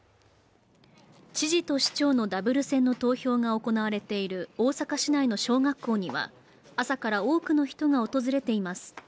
知事と市長のダブル選の投票が行われている大阪市内の小学校には、朝から多くの人が訪れています。